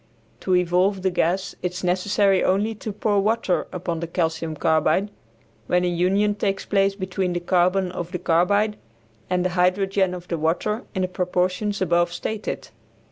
To evolve the gas it is necessary only to pour water upon the calcium carbide, when a union takes place between the carbon of the carbide and the hydrogen of the water in the proportions above stated.